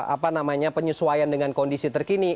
apa namanya penyesuaian dengan kondisi terkini